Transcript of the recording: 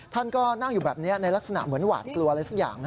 ท่านก็นั่งอยู่แบบนี้ในลักษณะเหมือนหวาดกลัวอะไรสักอย่าง